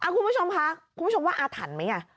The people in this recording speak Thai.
คุณผู้ชมคะคุณผู้ชมว่าอาถันมั้ย